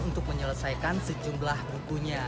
untuk menyelesaikan sejumlah bukunya